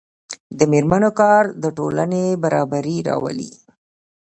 د میرمنو کار د ټولنې برابري راولي.